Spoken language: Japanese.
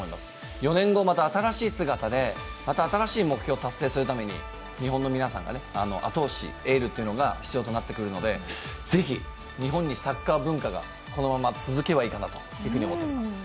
４年後また新しい姿でまた新しい目標を達成するために後押し、エールっていうのが必要となってくるので是非、日本にサッカー文化がこのまま続けばいいかなというふうに思っています。